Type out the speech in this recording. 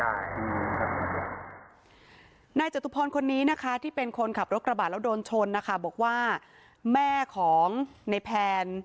นายจตุพรคนนี้นะคะที่เป็นคนขับรถกระบะแล้วโดนชนนะคะบอกว่าแม่ของในแพน